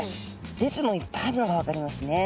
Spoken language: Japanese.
列もいっぱいあるのが分かりますね。